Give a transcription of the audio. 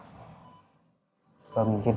tapi saya pulang dulu ya kate